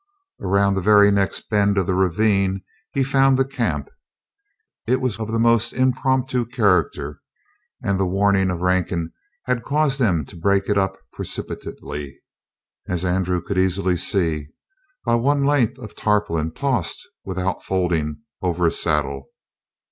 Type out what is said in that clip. Around the very next bend of the ravine he found the camp. It was of the most impromptu character, and the warning of Rankin had caused them to break it up precipitately, as Andrew could see by one length of tarpaulin tossed, without folding, over a saddle.